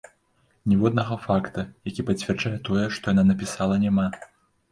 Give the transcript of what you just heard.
Ніводнага факта, які пацвярджае тое, што яна напісала, няма.